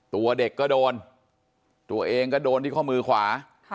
ตัวเด็กก็โดนตัวเองก็โดนที่ข้อมือขวา